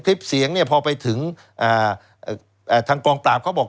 คลิปเสียงเนี่ยพอไปถึงทางกองปราบเขาบอก